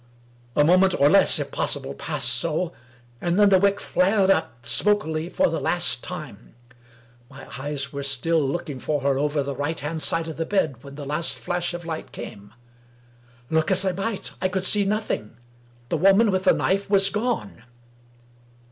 A moment, or less, if possible, passed so— and then the wick flared up, smokily, for the last time. My eyes were still looking for her over the right hand side of the bed when the last flash of light came. Look as I might, I could see nothing. The woman with the knife was gone.